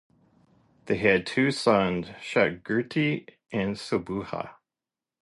They had two sons- Shatrughati and Subahu.